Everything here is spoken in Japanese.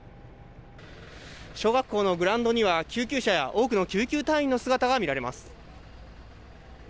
小学校のグラウンドには、救急車や多くの救急隊員の姿が見られます。